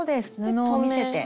布を見せて。